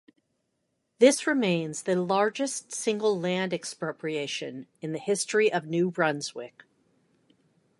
This remains the largest single land expropriation in the history of New Brunswick.